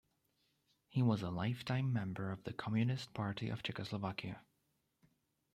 He was a lifetime member of the Communist Party of Czechoslovakia.